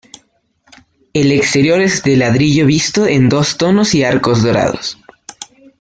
El exterior es de ladrillo visto en dos tonos y arcos dorados.